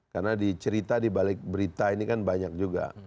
karena di cerita dibalik berita ini kan banyak juga